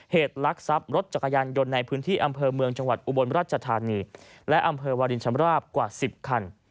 ลักษัพรถจักรยานยนต์ในพื้นที่อำเภอเมืองจังหวัดอุบลราชธานีและอำเภอวาลินชำราบกว่า๑๐คัน